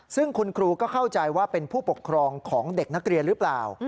ซึ่งคุณครูก็เข้าใจว่าเป็นผู้ปกครองของเด็กนักเรียนหรือเปล่า